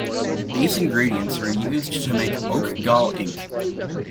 These ingredients were used to make oak gall ink.